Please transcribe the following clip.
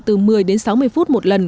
từ một mươi đến sáu mươi phút một lần